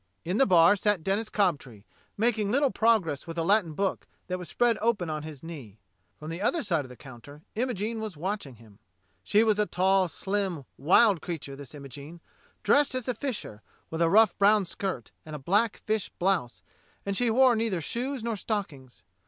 In the bar sat Denis Cobtree, making little progress with a Latin book that was spread open on his knee. From the other side of the counter Imogene was watch ing him. She was a tall, slim, wild creature, this Imogene, dressed as a fisher, with a rough brown skirt and a black fish blouse, and she wore neither shoes nor stock ings.